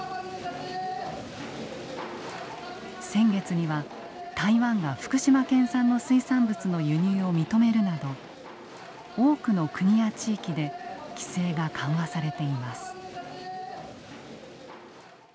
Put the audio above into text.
先月には台湾が福島県産の水産物の輸入を認めるなど多くの国や地域で規制が緩和されています。